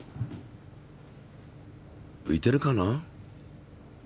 ういてるかな？